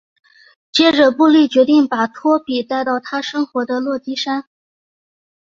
接着布莉决定把拖比带到他生活的洛杉矶。